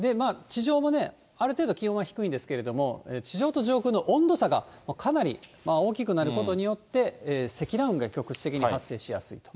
地上もある程度気温が低いんですけども、地上と上空の温度差がかなり大きくなることによって、積乱雲が局地的に発生しやすいと。